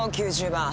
９０番。